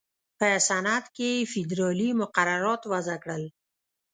په صنعت کې یې فېدرالي مقررات وضع کړل.